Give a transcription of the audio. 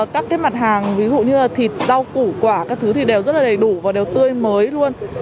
các cái mặt hàng ví dụ như là thịt rau củ quả các thứ thì đều rất là đầy đủ và đều tươi mới luôn